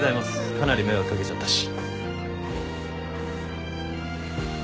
かなり迷惑掛けちゃったし。